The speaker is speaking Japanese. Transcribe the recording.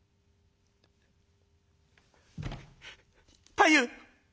太夫。